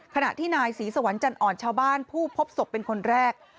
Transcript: ขณะที่นายศรีสวรรค์จันอ่อนชาวบ้านผู้พบศพเป็นคนแรก